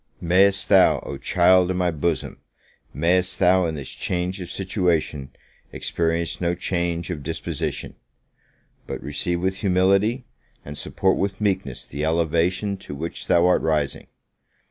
May'st thou, O child of my bosom! may'st thou, in this change of situation, experience no change of disposition! but receive with humility, and support with meekness the elevation to which thou art rising!